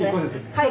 はい。